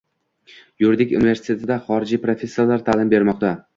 Yuridik universitetda xorijlik professorlar ta’lim bermoqda